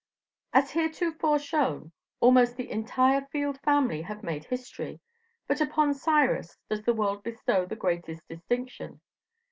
As heretofore shown, almost the entire Field family have made history, but upon Cyrus does the world bestow the greatest distinction.